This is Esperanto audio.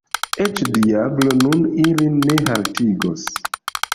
Eĉ diablo nun ilin ne haltigos.